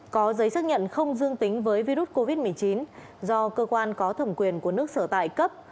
có giấy xác nhận không dương tính với virus covid một mươi chín do cơ quan có thẩm quyền của nước sở tại cấp